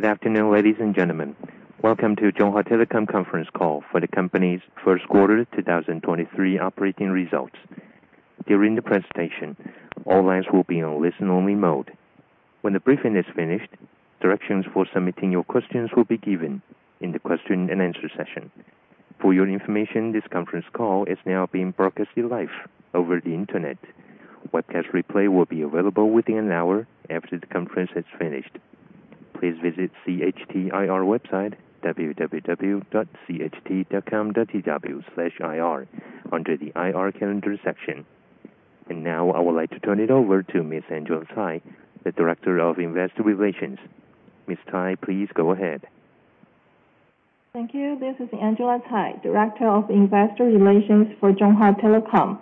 Good afternoon, ladies and gentlemen. Welcome to Chunghwa Telecom conference call for the company's first quarter 2023 operating results. During the presentation, all lines will be on listen only mode. When the briefing is finished, directions for submitting your questions will be given in the question and answer session. For your information, this conference call is now being broadcasted live over the Internet. Webcast replay will be available within an hour after the conference has finished. Please visit CHT IR website www.cht.com.tw/ir under the IR calendar section. Now I would like to turn it over to Ms. Angela Tsai, the Director of Investor Relations. Ms. Tsai, please go ahead. Thank you. This is Angela Tsai, Director of Investor Relations for Chunghwa Telecom.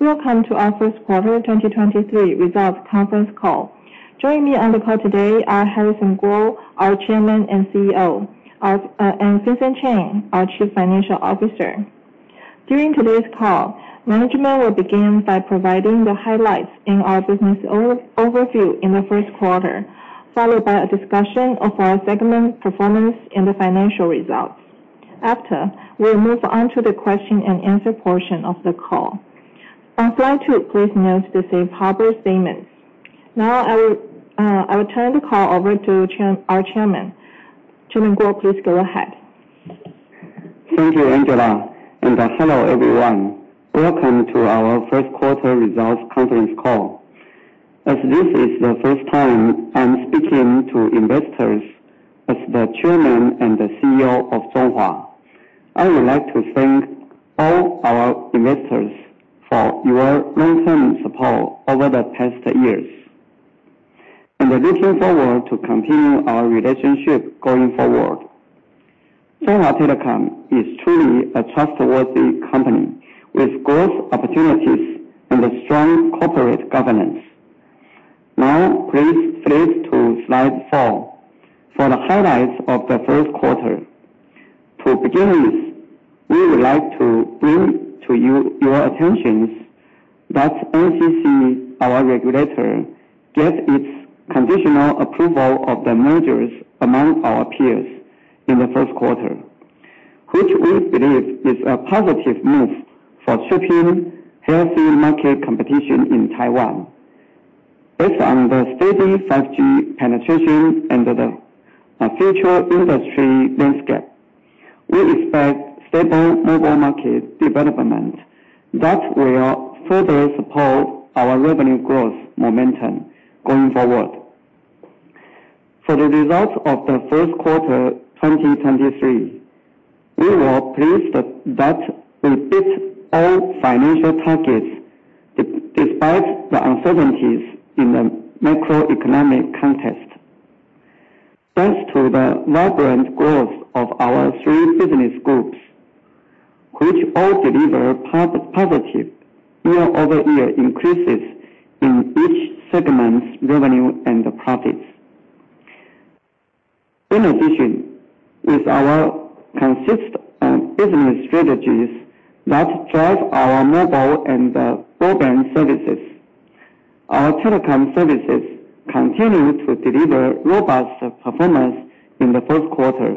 Welcome to our first quarter 2023 results conference call. Joining me on the call today are Harrison Kuo, our Chairman and CEO, and Vincent Chen, our Chief Financial Officer. During today's call, management will begin by providing the highlights in our business overview in the first quarter, followed by a discussion of our segment performance and the financial results. After, we'll move on to the question and answer portion of the call. I'm going to please note the safe harbor statements. Now, I will turn the call over to our Chairman. Chairman Kuo, please go ahead. Thank you, Angela. Hello everyone. Welcome to our first quarter results conference call. As this is the first time I'm speaking to investors as the Chairman and the CEO of Chunghwa, I would like to thank all our investors for your long-term support over the past years, and looking forward to continue our relationship going forward. Chunghwa Telecom is truly a trustworthy company with growth opportunities and a strong corporate governance. Please flip to Slide four for the highlights of the first quarter. To begin with, we would like to bring to you your attentions that NCC, our regulator, get its conditional approval of the mergers among our peers in the first quarter, which we believe is a positive move for shaping healthy market competition in Taiwan. Based on the steady 5G penetration and the future industry landscape, we expect stable mobile market development that will further support our revenue growth momentum going forward. For the results of the first quarter 2023, we were pleased that we beat all financial targets despite the uncertainties in the macroeconomic context. Thanks to the vibrant growth of our three business groups, which all deliver positive year-over-year increases in each segment's revenue and the profits. In addition, with our consistent business strategies that drive our mobile and broadband services, our telecom services continue to deliver robust performance in the first quarter,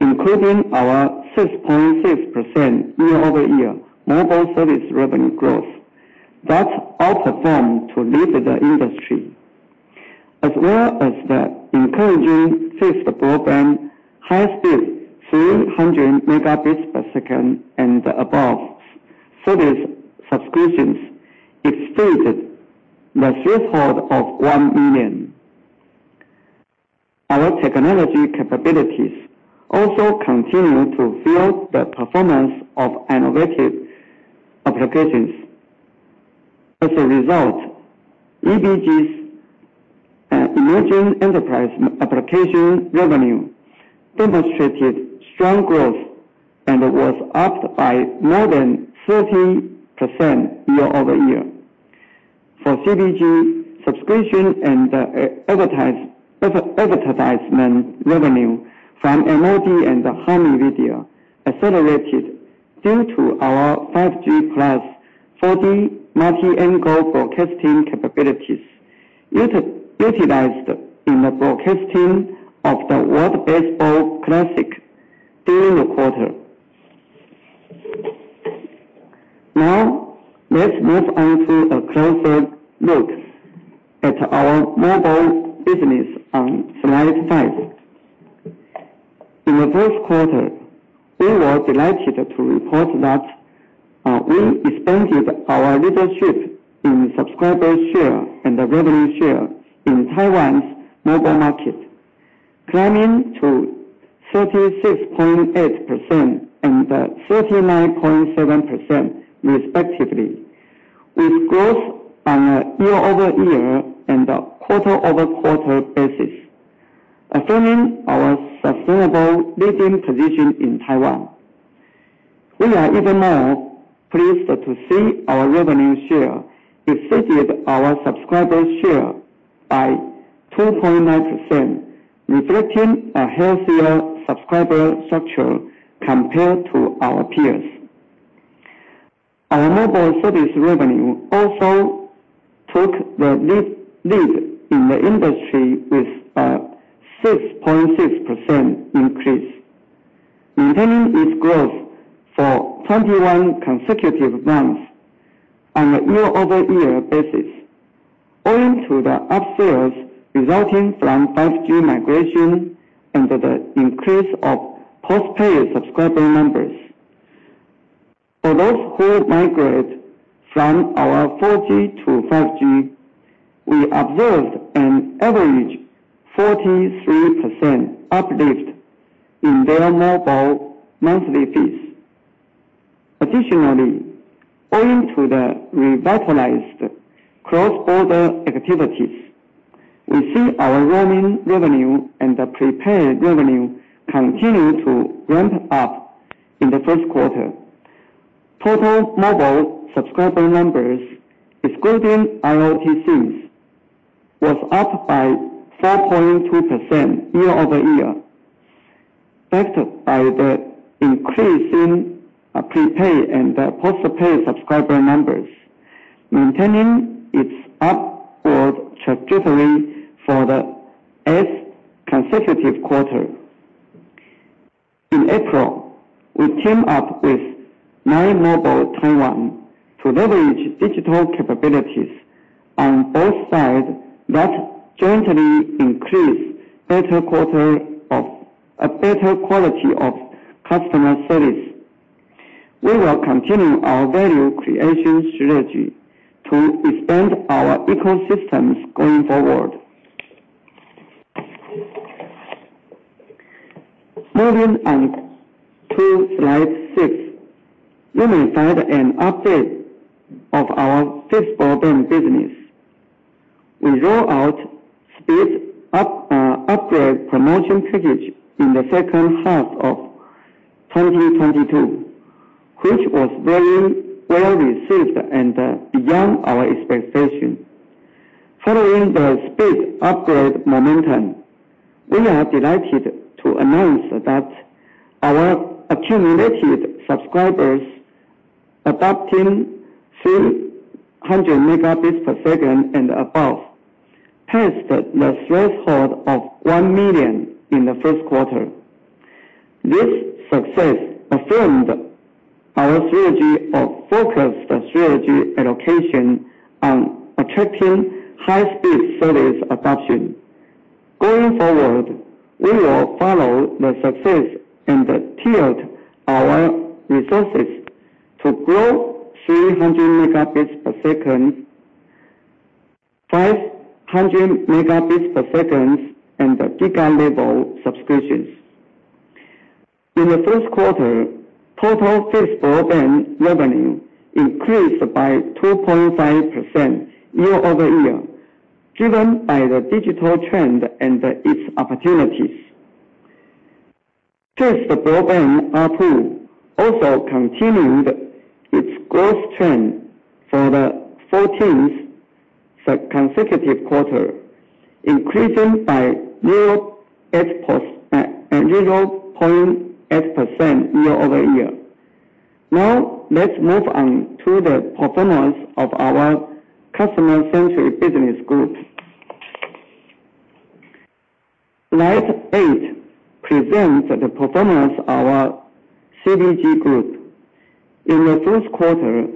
including our 6.6% year-over-year mobile service revenue growth that outperformed to lead the industry. As well as the encouraging fixed broadband high speed 300 Mb per second and above service subscriptions exceeded the threshold of one million. Our technology capabilities also continue to fuel the performance of innovative applications. As a result, EBG's emerging enterprise application revenue demonstrated strong growth and was up by more than 30% year-over-year. For CPG, subscription and advertisement revenue from MOD and Hami Video accelerated due to our 5G plus 4D multi-angle broadcasting capabilities utilized in the broadcasting of the World Baseball Classic during the quarter. Let's move on to a closer look at our mobile business on Slide five. In the first quarter, we were delighted to report that we expanded our leadership in subscriber share and the revenue share in Taiwan's mobile market, climbing to 36.8% and 39.7% respectively, with growth on a year-over-year and a quarter-over-quarter basis, affirming our sustainable leading position in Taiwan. We are even more pleased to see our revenue share exceeded our subscriber share by 2.9%, reflecting a healthier subscriber structure compared to our peers. Our mobile service revenue also took the lead in the industry with a 6.6% increase, maintaining its growth for 21 consecutive months on a year-over-year basis, owing to the upsales resulting from 5G migration and the increase of postpaid subscriber numbers. For those who migrate from our 4G to 5G, we observed an average 43% uplift in their mobile monthly fees. Additionally, owing to the revitalized cross-border activities, we see our roaming revenue and the prepaid revenue continue to ramp up in the first quarter. Total mobile subscriber numbers, excluding IoT SIMs, was up by 4.2% year-over-year, backed by the increase in prepay and the postpaid subscriber numbers, maintaining its upward trajectory for the eighth consecutive quarter. In April, we team up with MyMobile Taiwan to leverage digital capabilities on both sides that jointly increase a better quality of customer service. We will continue our value creation strategy to expand our ecosystems going forward. Moving on to Slide six, you may find an update of our fixed broadband business. We roll out speed up upgrade promotion package in the second half of 2022, which was very well received and beyond our expectation. Following the speed upgrade momentum, we are delighted to announce that our accumulated subscribers adopting 300 Mb per second and above passed the threshold of one million in the first quarter. This success affirmed our strategy of focused strategy allocation on attracting high-speed service adoption. Going forward, we will follow the success and tiered our resources to grow 300 Mb per second, 500 Mb per second, and the giga-level subscriptions. In the first quarter, total fixed broadband revenue increased by 2.5% year-over-year, driven by the digital trend and its opportunities. Fixed broadband ARPU also continued its growth trend for the 14th consecutive quarter, increasing by 0.8% year-over-year. Let's move on to the performance of our customer-centric business group. Slide eight presents the performance of our CBG group. In the first quarter,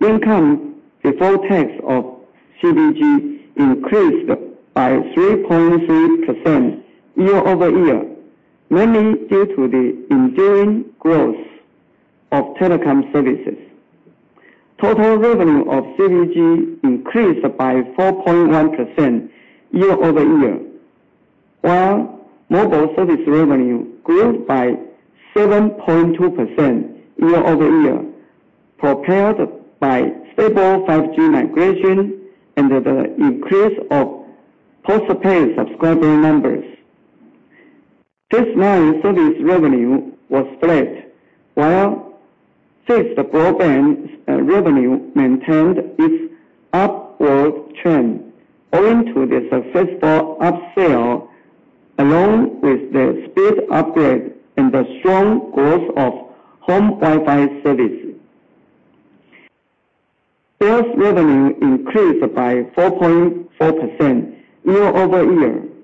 income before tax of CBG increased by 3.3% year-over-year, mainly due to the enduring growth of telecom services. Total revenue of CBG increased by 4.1% year-over-year, while mobile service revenue grew by 7.2% year-over-year, propelled by stable 5G migration and the increase of postpaid subscriber numbers. Fixed line service revenue was flat, while fixed broadband revenue maintained its upward trend owing to the successful upsell along with the speed upgrade and the strong growth of home Wi-Fi service. Sales revenue increased by 4.4% year-over-year, mainly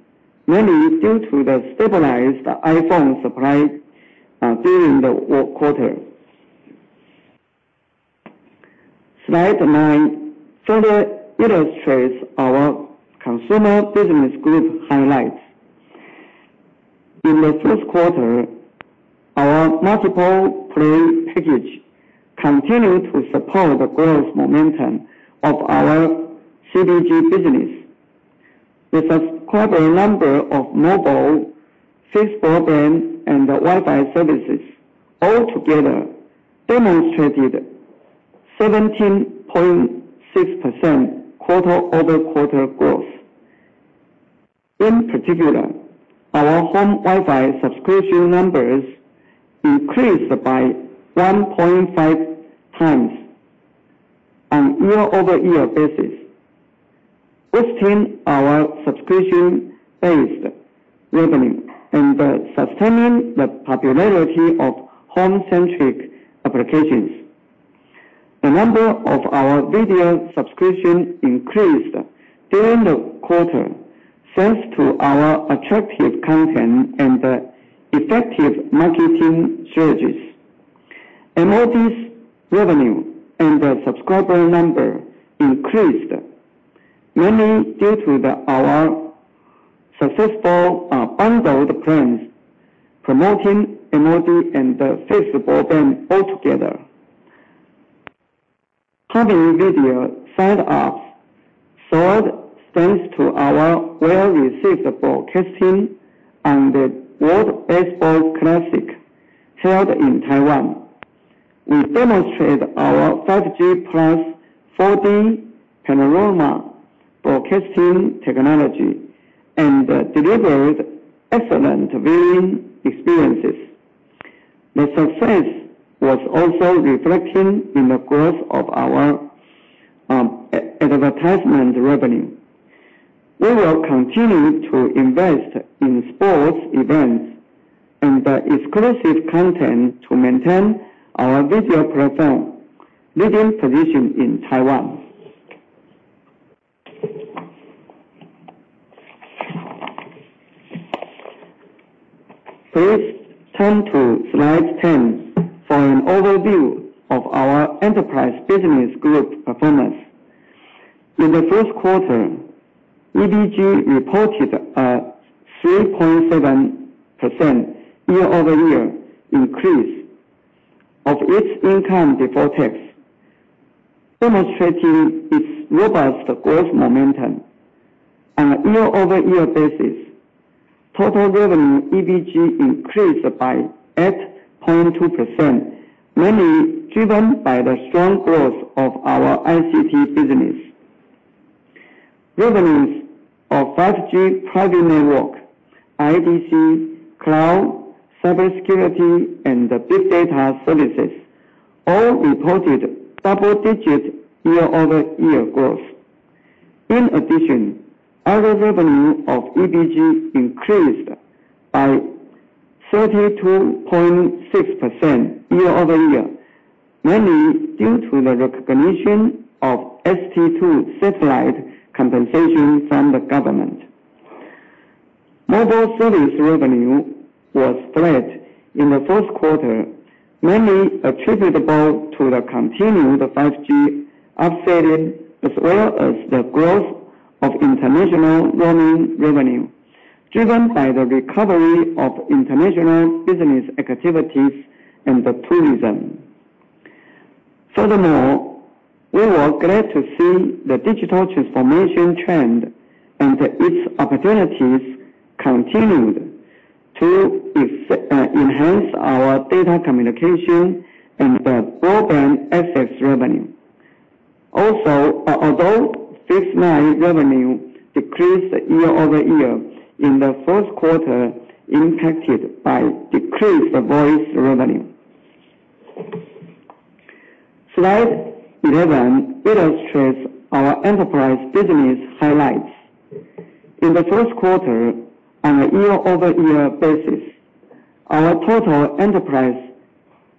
due to the stabilized iPhone supply during the quarter. Slide nine further illustrates our consumer business group highlights. In the first quarter, our multiple play package continued to support the growth momentum of our CBG business. The subscriber number of mobile, fixed broadband, and Wi-Fi services all together demonstrated 17.6% quarter-over-quarter growth. In particular, our home Wi-Fi subscription numbers increased by 1.5x on year-over-year basis. Boosting our subscription-based revenue and sustaining the popularity of home-centric applications. The number of our video subscription increased during the quarter, thanks to our attractive content and effective marketing strategies. MOD's revenue and the subscriber number increased, mainly due to our successful bundled plans promoting MOD and the fixed broadband altogether. Hami Video sign-ups soared thanks to our well-received broadcasting on the World Baseball Classic held in Taiwan. We demonstrated our 5G plus 4D panorama broadcasting technology and delivered excellent viewing experiences. The success was also reflecting in the growth of our advertisement revenue. We will continue to invest in sports events and the exclusive content to maintain our video platform leading position in Taiwan. Please turn to Slide 10 for an overview of our Enterprise Business Group performance. In the first quarter, EBG reported a 3.7% year-over-year increase of its income before tax, demonstrating its robust growth momentum. On a year-over-year basis, total revenue EBG increased by 8.2%, mainly driven by the strong growth of our ICT business. Revenues of 5G private network, IDC, cloud, cybersecurity, and big data services all reported double-digit year-over-year growth. In addition, other revenue of EBG increased by 32.6% year-over-year, mainly due to the recognition of ST-2 satellite compensation from the government. Mobile service revenue was flat in the first quarter, mainly attributable to the continued 5G offsetting, as well as the growth of international roaming revenue, driven by the recovery of international business activities and the tourism. Furthermore, we were glad to see the digital transformation trend and its opportunities continued to enhance our data communication and the broadband access revenue. Although fixed line revenue decreased year-over-year in the first quarter, impacted by decreased voice revenue. Slide 11 illustrates our enterprise business highlights. In the first quarter, on a year-over-year basis, our total enterprise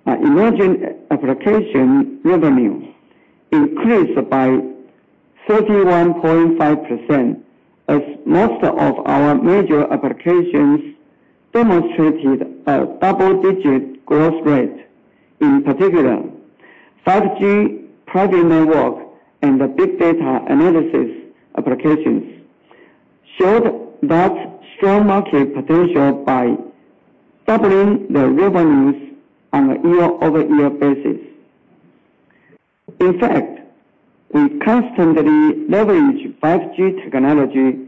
emerging application revenues increased by 31.5% as most of our major applications demonstrated a double-digit growth rate. In particular, 5G private network and the big data analysis applications showed that strong market potential by doubling the revenues on a year-over-year basis. In fact, we constantly leverage 5G technology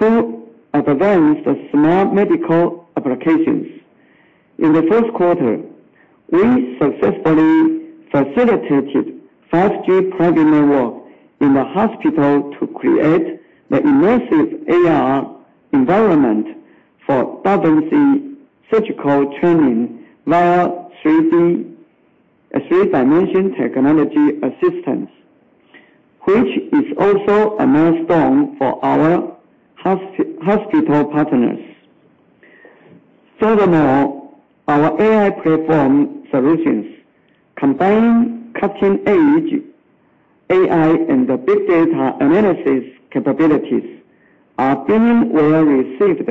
to advance the smart medical applications. In the first quarter, we successfully facilitated 5G private network in the hospital to create the immersive AR environment for emergency surgical training via 3D technology assistance. Which is also a milestone for our hospital partners. Furthermore, our AI platform solutions combine cutting-edge AI and the big data analysis capabilities are being well received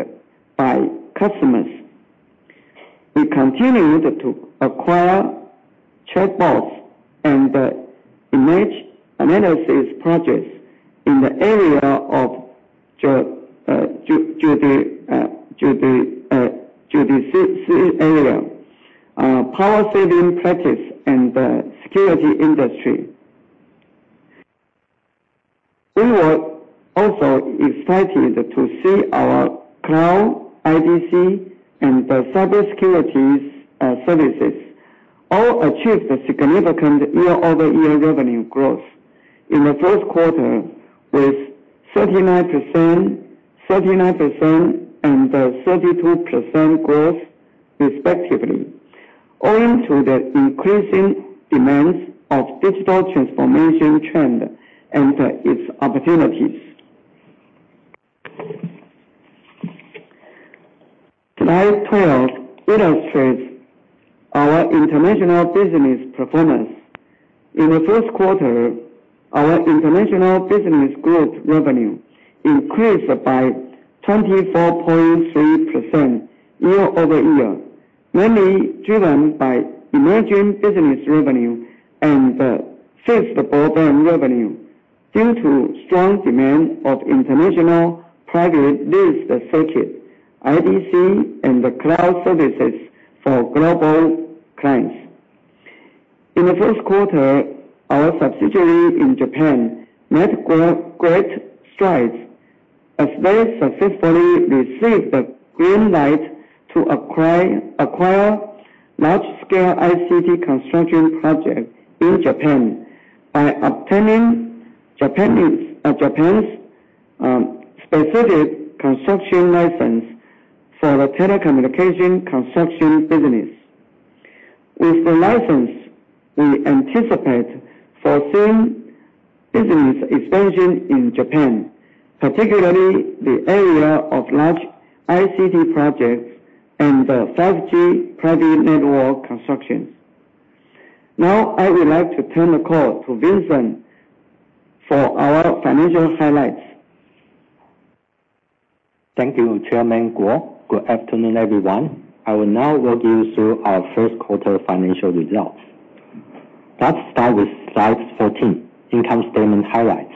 by customers. We continued to acquire chatbots and image analysis projects in the area of judiciary area, power saving practice and the security industry. We were also excited to see our cloud, IDC, and the cybersecurity services all achieve a significant year-over-year revenue growth in the fourth quarter with 39%, 39%, and 32% growth respectively. Owing to the increasing demands of digital transformation trend and its opportunities. Slide 12 illustrates our international business performance. In the first quarter, our international business group revenue increased by 24.3% year-over-year, mainly driven by emerging business revenue and fixed broadband revenue due to strong demand of international private leased circuit, IDC, and the cloud services for global clients. In the first quarter, our subsidiary in Japan made great strides as they successfully received the green light to acquire large-scale ICT construction projects in Japan by obtaining Japanese, Japan's specific construction license for the telecommunication construction business. With the license, we anticipate foreseen business expansion in Japan, particularly the area of large ICT projects and the 5G private network constructions. I would like to turn the call to Vincent for our financial highlights. Thank you, Chairman Kuo. Good afternoon, everyone. I will now walk you through our first quarter financial results. Let's start with Slide 14, income statement highlights.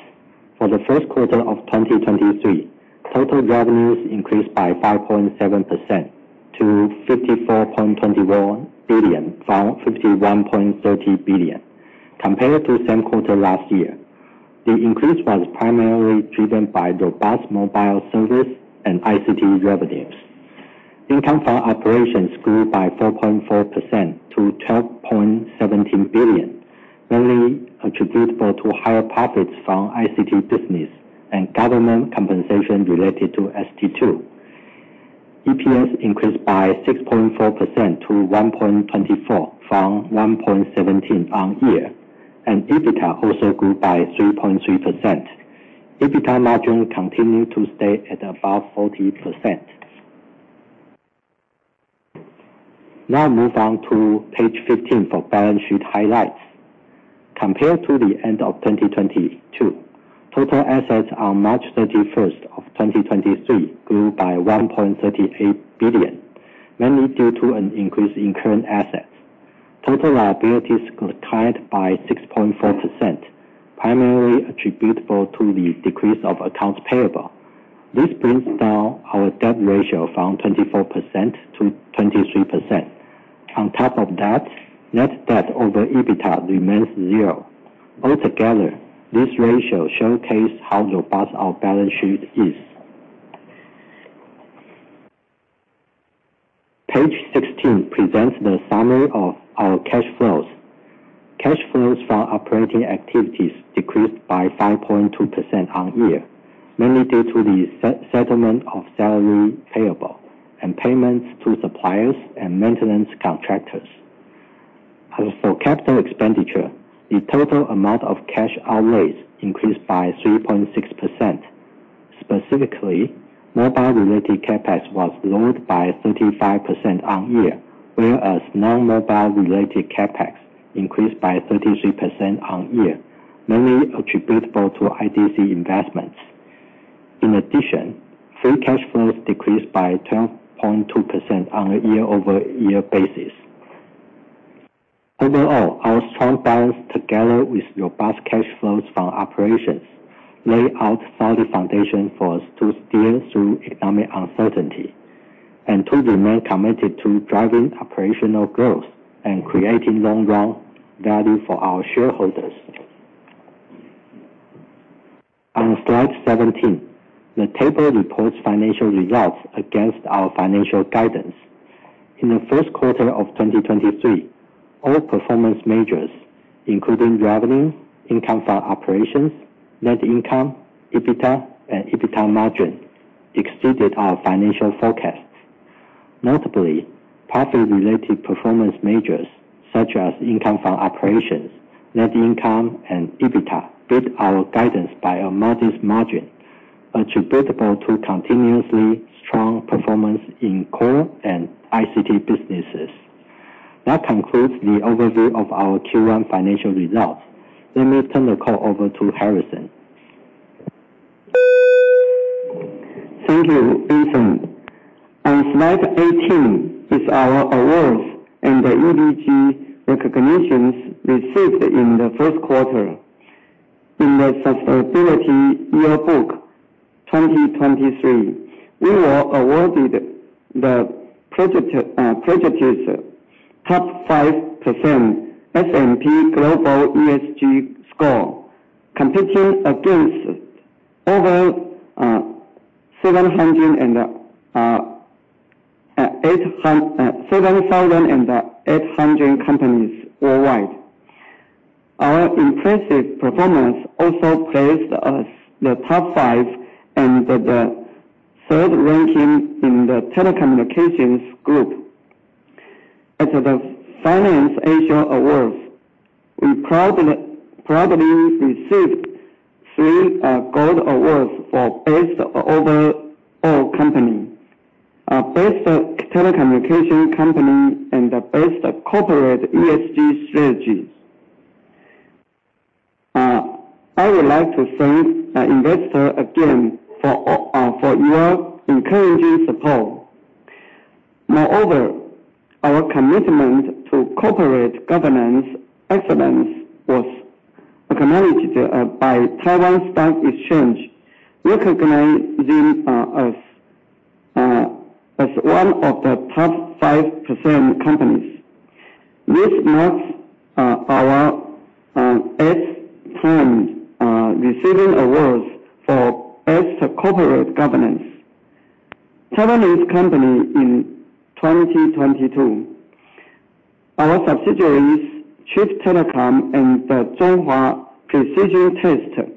For the first quarter of 2023, total revenues increased by 5.7% to 54.21 billion from 51.30 billion compared to the same quarter last year. The increase was primarily driven by robust mobile service and ICT revenues. Income for operations grew by 4.4% to 12.17 billion, mainly attributable to higher profits from ICT business and government compensation related to ST-2. EPS increased by 6.4% to 1.24 from 1.17 on year, and EBITDA also grew by 3.3%. EBITDA margin continued to stay at above 40%. Move on to page 15 for balance sheet highlights. Compared to the end of 2022, total assets on March 31st of 2023 grew by 1.38 billion, mainly due to an increase in current assets. Total liabilities declined by 6.4%, primarily attributable to the decrease of accounts payable. This brings down our debt ratio from 24%-23%. On top of that, net debt over EBITDA remains zero. Altogether, this ratio showcase how robust our balance sheet is. Page 16 presents the summary of our cash flows. Cash flows from operating activities decreased by 5.2% on year, mainly due to the settlement of salary payable and payments to suppliers and maintenance contractors. As for capital expenditure, the total amount of cash outlays increased by 3.6%. Specifically, mobile-related CapEx was lowered by 35% on year, whereas non-mobile related CapEx increased by 33% on year, mainly attributable to IDC investments. In addition, free cash flows decreased by 12.2% on a year-over-year basis. Overall, our strong balance together with robust cash flows from operations lay out solid foundation for us to steer through economic uncertainty and to remain committed to driving operational growth and creating long run value for our shareholders. On Slide 17, the table reports financial results against our financial guidance. In the first quarter of 2023, all performance measures, including revenue, income from operations, net income, EBITDA and EBITDA margin exceeded our financial forecasts. Notably, profit-related performance measures such as income from operations, net income and EBITDA beat our guidance by a modest margin attributable to continuously strong performance in core and ICT businesses. That concludes the overview of our Q1 financial results. Let me turn the call over to Harrison. Thank you, Vincent. On Slide 18 is our awards and the ESG recognitions received in the first quarter. In the Sustainability Yearbook 2023, we were awarded the prestigious top 5% S&P Global ESG score, competing against over 7,800 companies worldwide. Our impressive performance also placed us the top five and the third ranking in the telecommunications group. At the FinanceAsia Awards, we proudly received three gold awards for Best Overall Company, Best Telecommunication Company, and Best Corporate ESG Strategies. I would like to thank the investor again for your encouraging support. Moreover, our commitment to corporate governance excellence was acknowledged by Taiwan Stock Exchange, recognizing us as one of the top 5% companies. This marks our eighth time receiving awards for Best Corporate Governance. Taiwanese company in 2022. Our subsidiaries, Chief Telecom and Chunghwa Precision Test Tech,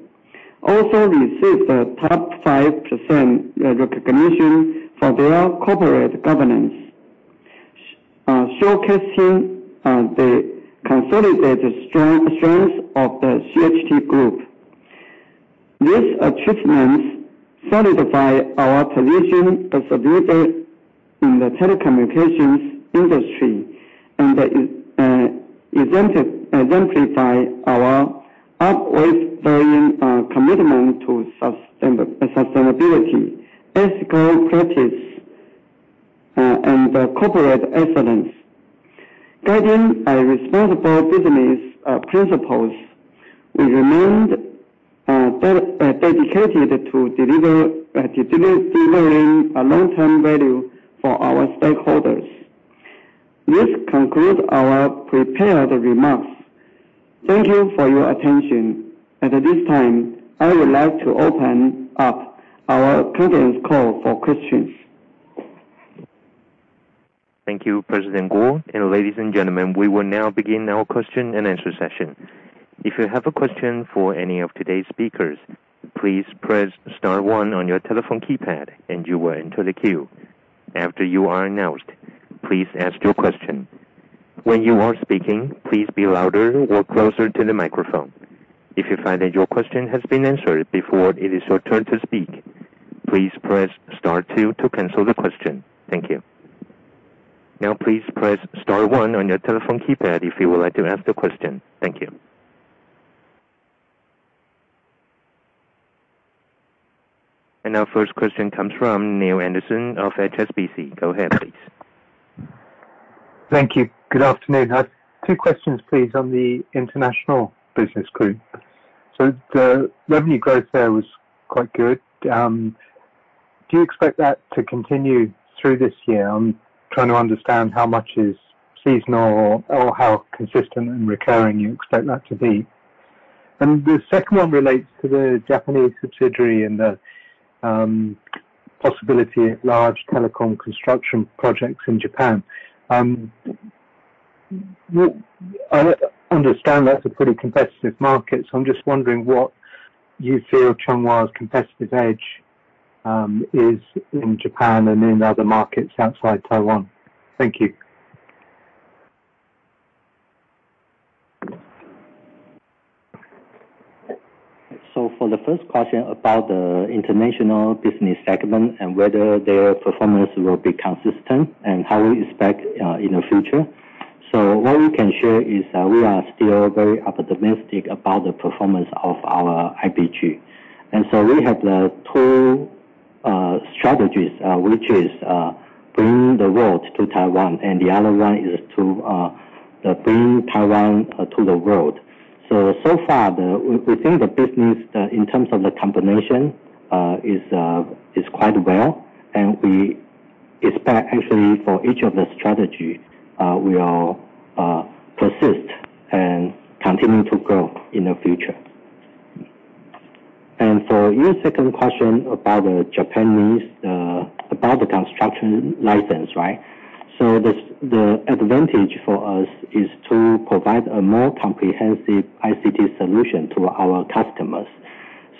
also received the top 5% recognition for their corporate governance, showcasing the consolidated strength of the CHT Group. These achievements solidify our position as a leader in the telecommunications industry, and exemplify our upward soaring commitment to sustainability, ethical practice, and corporate excellence. Guiding our responsible business principles, we remained dedicated to delivering a long-term value for our stakeholders. This concludes our prepared remarks. Thank you for your attention. At this time, I would like to open up our conference call for questions. Thank you, President Kuo. Ladies and gentlemen, we will now begin our question and answer session. If you have a question for any of today's speakers, please press star one on your telephone keypad, and you will enter the queue. After you are announced, please ask your question. When you are speaking, please be louder or closer to the microphone. If you find that your question has been answered before it is your turn to speak, please press star two to cancel the question. Thank you. Now, please press star one on your telephone keypad if you would like to ask a question. Thank you. Our first question comes from Neale Anderson of HSBC. Go ahead, please. Thank you. Good afternoon. I have two questions, please, on the international business group. The revenue growth there was quite good. Do you expect that to continue through this year? I'm trying to understand how much is seasonal or how consistent and recurring you expect that to be. The second one relates to the Japanese subsidiary and the possibility of large telecom construction projects in Japan. I understand that's a pretty competitive market, so I'm just wondering what you feel Chunghwa's competitive edge is in Japan and in other markets outside Taiwan. Thank you. For the first question about the international business segment and whether their performance will be consistent and how we expect in the future, so what we can share is that we are still very optimistic about the performance of our IBG. We have the two strategies, which is bring the world to Taiwan, and the other one is to bring Taiwan to the world. So far, we think the business in terms of the combination is quite well, and we expect actually for each of the strategy, we are persist and continue to grow in the future. For your second question about the Japanese about the construction license, right? The advantage for us is to provide a more comprehensive ICT solution to our customers.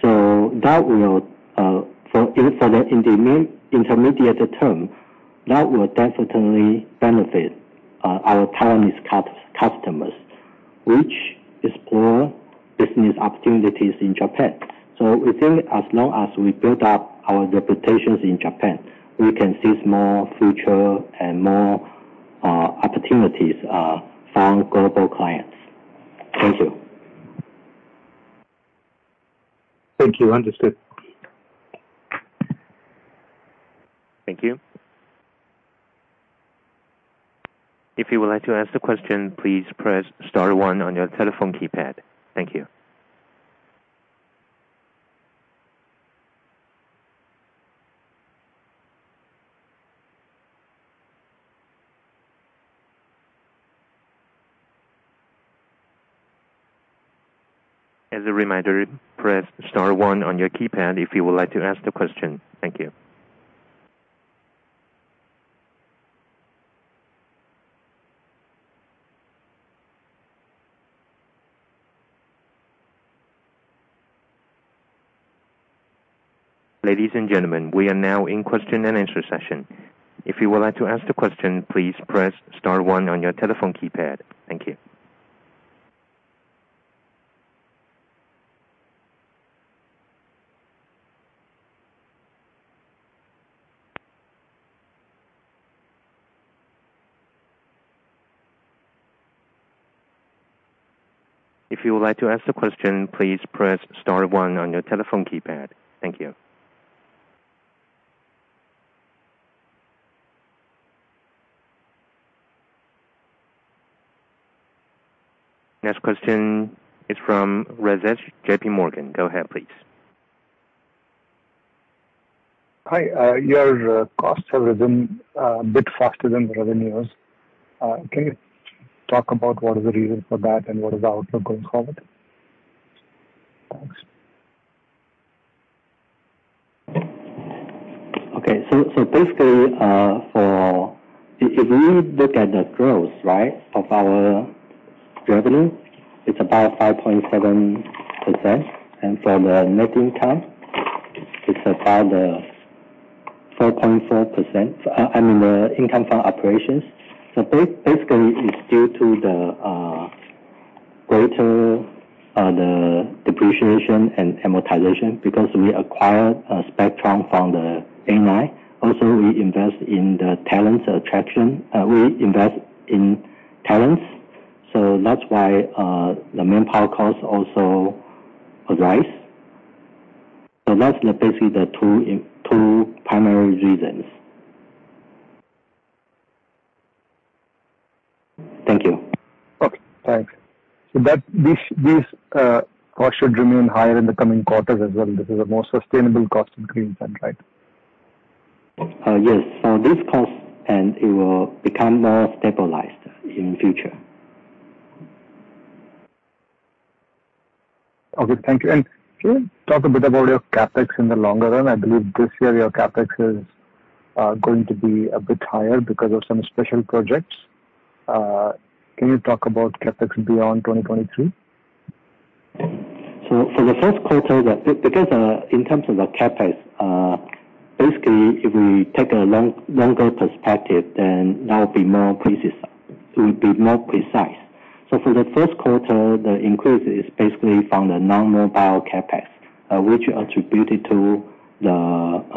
That will, in the intermediate term, that will definitely benefit our Taiwanese customers, which explore business opportunities in Japan. We think as long as we build up our reputations in Japan, we can seize more future and more opportunities from global clients. Thank you. Thank you. Understood. Thank you. If you would like to ask the question, please press star one on your telephone keypad. Thank you. As a reminder, press star one on your keypad if you would like to ask the question. Thank you. Ladies and gentlemen, we are now in question and answer session. If you would like to ask the question, please press star one on your telephone keypad. Thank you. If you would like to ask the question, please press star one on your telephone keypad. Thank you. Next question is from Rajesh, JPMorgan. Go ahead, please. Hi. Your costs have been a bit faster than the revenues. Can you talk about what is the reason for that and what is the outlook going forward? Thanks. Okay. So basically, If we look at the growth, right, of our revenue, it's about 5.7%. For the net income, it's about 4.4%. I mean, the income from operations. Basically it's due to the greater the depreciation and amortization because we acquired a spectrum from the A9. Also we invest in the talents attraction. We invest in talents, so that's why the manpower cost also rise. That's basically the two primary reasons. Thank you. Okay. Thanks. That this cost should remain higher in the coming quarters as well. This is a more sustainable cost in green telecom, right? Yes. This cost and it will become more stabilized in future. Okay. Thank you. Can you talk a bit about your CapEx in the longer run? I believe this year your CapEx is going to be a bit higher because of some special projects. Can you talk about CapEx beyond 2023? For the first quarter, in terms of the CapEx, basically if we take a longer perspective, it will be more precise. For the first quarter, the increase is basically from the non-mobile CapEx, which attributed to the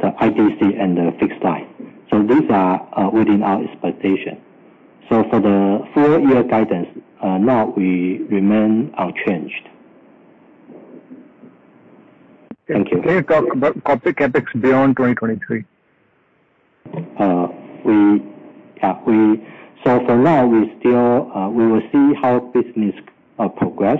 IDC and the fixed line. These are within our expectation. For the full year guidance, now we remain unchanged. Thank you. Can you talk about corporate CapEx beyond 2023? For now, we still will see how business progress.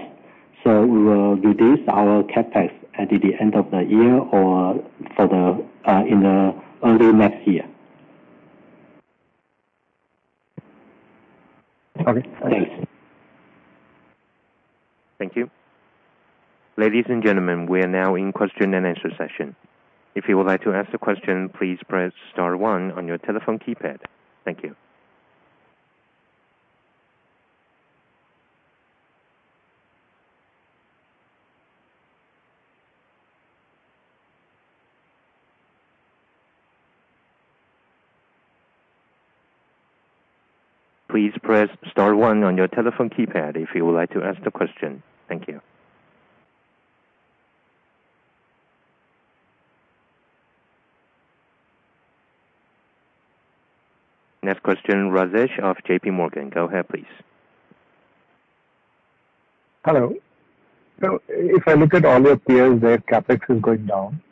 We will reduce our CapEx at the end of the year or for the in early next year. Okay. Thanks. Thank you. Ladies and gentlemen, we are now in question and answer session. If you would like to ask the question, please press star one on your telephone keypad. Thank you. Please press star one on your telephone keypad if you would like to ask the question. Thank you. Next question, Rajesh of JPMorgan. Go ahead, please. Hello. If I look at all your peers, their CapEx is going down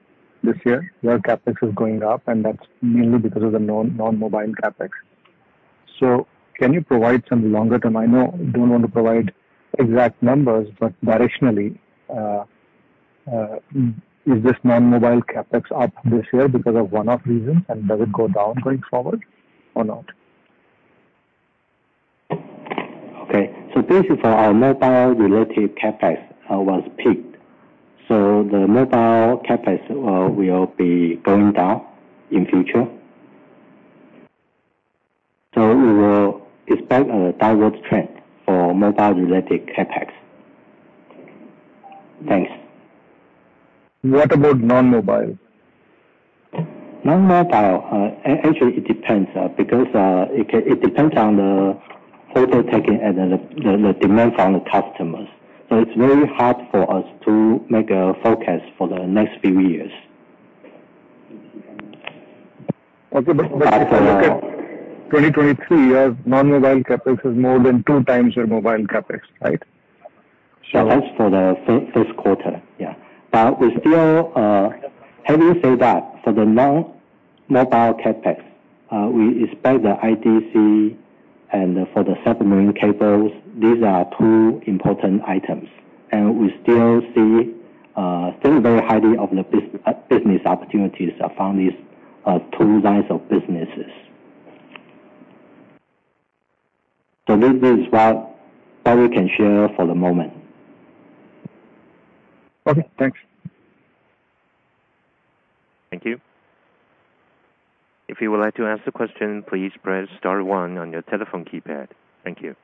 this year. Your CapEx is going up, and that's mainly because of the non-mobile CapEx. Can you provide some longer term? I know you don't want to provide exact numbers, but directionally, is this non-mobile CapEx up this year because of one-off reasons? Does it go down going forward or not? Okay. Basically our mobile related CapEx was peaked. The mobile CapEx will be going down in future. We will expect a downward trend for mobile related CapEx. Thanks. What about non-mobile? Non-mobile, actually it depends, because it depends on the order taking and the demand from the customers. It's very hard for us to make a forecast for the next few years. If you look at 2023, your non-mobile CapEx is more than two times your mobile CapEx, right? That's for the first quarter. Yeah. We still, having said that, for the non-mobile CapEx, we expect the IDC and for the submarine cables, these are two important items, and we still see, still very highly of the business opportunities are from these two lines of businesses. This is what we can share for the moment. Okay. Thanks. Thank you. If you would like to ask the question, please press star one on your telephone keypad. Thank you.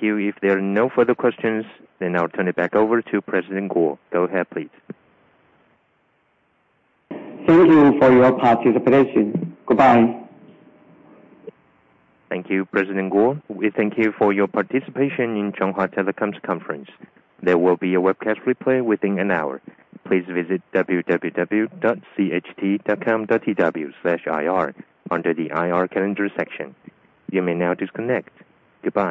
Thank you. If there are no further questions, I'll turn it back over to President Kuo. Go ahead, please. Thank you for your participation. Goodbye. Thank you, President Kuo. We thank you for your participation in Chunghwa Telecom's conference. There will be a webcast replay within an hour. Please visit www.cht.com.tw/ir under the IR calendar section. You may now disconnect. Goodbye.